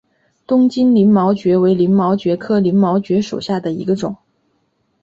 东京鳞毛蕨为鳞毛蕨科鳞毛蕨属下的一个种。